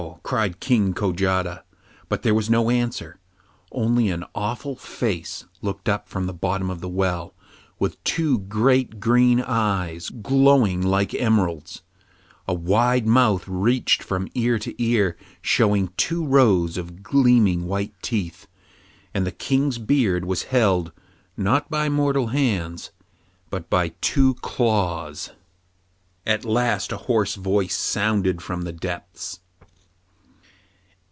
cried King Kojata, but there was no answer; only an awful face looked up from the bottom of the well with two great green eyes, glowing like emeralds, and a wide mouth reaching from ear to ear showing two rows of gleaming white teeth, and the King's beard was held, not by mortal hands, but by two claws. At last a hoarse voice sounded from the depths.